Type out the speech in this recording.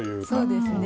そうですね。